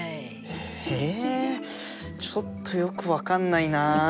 えちょっとよく分かんないな。